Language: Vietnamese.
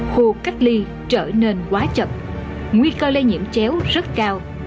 khu cách ly trở nên quá chập nguy cơ lây nhiễm chéo rất cao